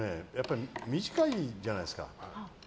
短いじゃないですか。